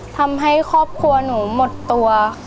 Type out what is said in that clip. ทำให้ครอบครัวหนูหมดตัว